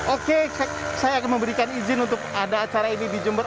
oke saya akan memberikan izin untuk ada acara ini di jember